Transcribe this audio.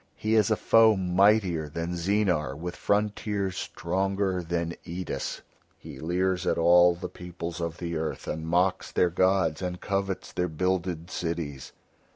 He is a foe mightier than Zeenar with frontiers stronger than Eidis; he leers at all the peoples of the earth and mocks their gods and covets their builded cities.